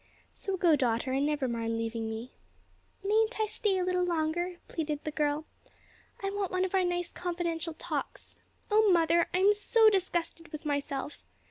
So go, daughter, and never mind leaving me." "Mayn't I stay a little longer," pleaded the girl, "I want one of our nice confidential talks. O mother, I am so disgusted with myself!